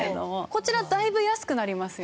こちらだいぶ安くなりますよね。